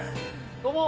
どうも。